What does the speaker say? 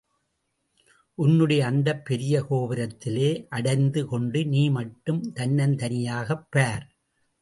உன்னுடைய அந்தப் பெரிய கோபுரத்திலே அடைந்து கொண்டு, நீ மட்டும் தன்னந்தனியாகப் பார்!